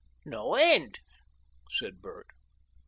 "No end," said Bert.